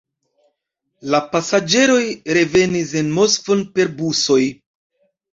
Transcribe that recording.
La pasaĝeroj revenis en Moskvon per busoj.